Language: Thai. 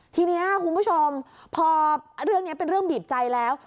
ทีนี้คุณผู้ชมพอเรื่องนี้เป็นเรื่องบีบใจแล้ว